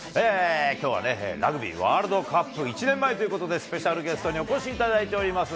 きょうはラグビーワールドカップ１年前ということで、スペシャルゲストにお越しいただいております。